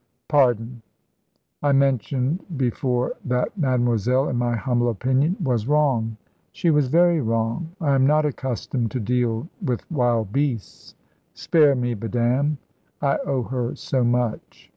"Pardon; I mentioned before that Mademoiselle, in my humble opinion, was wrong." "She was very wrong. I am not accustomed to deal with wild beasts." "Spare me, madame; I owe her so much."